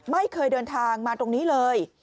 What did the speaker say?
ไม่เคยเดินทางมาตรงนี้เลย